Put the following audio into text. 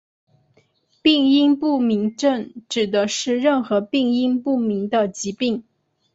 病因不明症指的是任何病因不明的疾病。